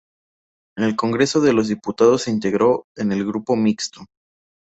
En el Congreso de los Diputados se integró en el Grupo Mixto.